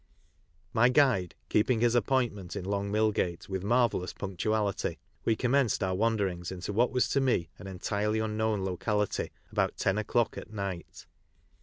My guide keeping his appointment in Long Millgate with marvellous punctuality, we commenced our wanderings into what was to me an entirely unknown locality about ten o'clock at night.